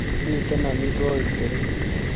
Mito amitwokik teree.